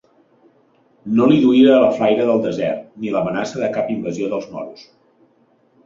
No li duia la flaire del desert, ni l'amenaça de cap invasió dels moros.